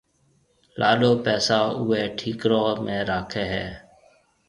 لاڏو پيسا اوئيَ ٺِڪرون ۾ راکيَ ھيََََ